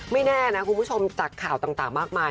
แน่นะคุณผู้ชมจากข่าวต่างมากมาย